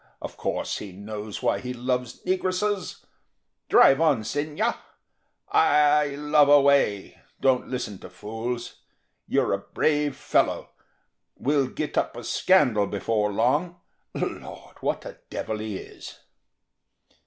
Of course, he knows why he loves negresses. Drive on, Senya! love away! don't listen to fools! You're a brave fellow; we'll get up a scandal before long. Lord! what a devil he is!"